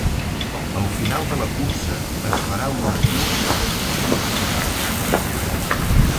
Al final de la cursa es farà una cua per recollir el regal.